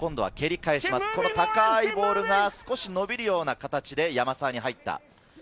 高いボールが少し伸びるような形で山沢に入った。